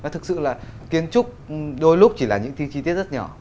thực sự là kiến trúc đôi lúc chỉ là những chi tiết rất nhỏ